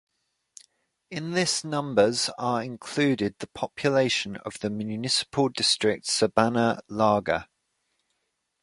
In this numbers are included the population of the municipal district Sabana Larga.